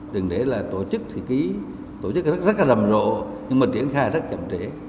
đừng để là tổ chức thì ký tổ chức rất là rầm rộ nhưng mà triển khai rất chậm trễ